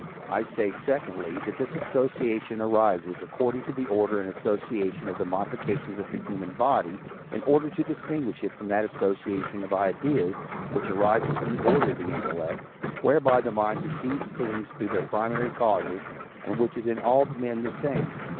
I say, secondly, that this association arises according to the order and association of the modifications of the human body, in order to distinguish it from that association of ideas, which arises from the order of the intellect, whereby the mind perceives things through their primary causes, and which is in all men the same.